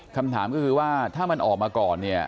คำถามก็คือว่าถ้ามันออกมาก่อนเนี่ย